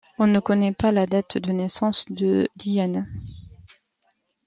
On ne connaît pas la date de naissance de Li Yun.